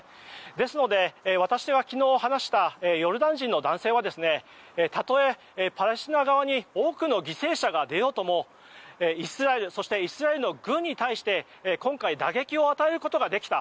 ですので私が昨日話したヨルダン人の男性はたとえパレスチナ側に多くの犠牲者が出ようともイスラエル、そしてイスラエルの軍に対して今回打撃を与えることができた。